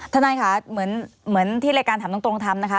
ทนายค่ะเหมือนที่รายการถามตรงทำนะคะ